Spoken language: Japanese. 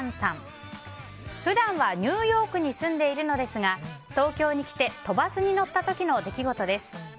普段はニューヨークに住んでいるのですが東京に来て都バスに乗った時の出来事です。